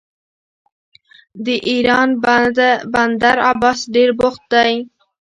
د ایران بندر عباس ډیر بوخت دی.